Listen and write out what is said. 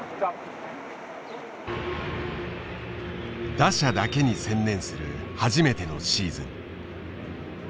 打者だけに専念する初めてのシーズン。